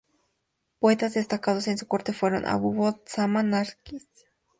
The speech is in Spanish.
Poetas destacados de su corte fueron Abu abd as-Samad as-Saraqusti e Ibn as-Saffar as-Saraqusti.